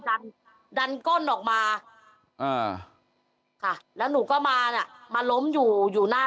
ดันดันก้นออกมาอ่าค่ะแล้วหนูก็มาเนี้ยมาล้มอยู่อยู่หน้า